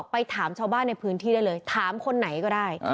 ไปถามชาวบ้านในพื้นที่ได้เลยถามคนไหนก็ได้